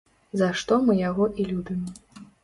За што мы яго і любім.